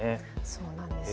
そうなんです。